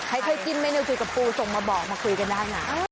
ใครเคยกินเมนูคุยกับปูส่งมาบอกมาคุยกันได้นะ